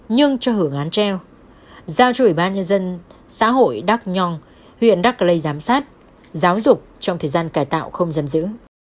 nhưng cho hưởng án treo giao cho ủy ban nhân dân xã hội đắc nhong huyện đắc lây giám sát giáo dục trong thời gian cải tạo không giam giữ